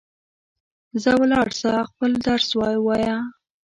ځه ولاړ سه ، خپل درس ووایه